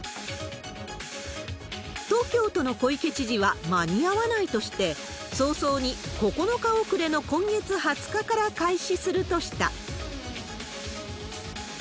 東京都の小池知事は間に合わないとして、早々に、９日遅れの今月２０日から開始するとした。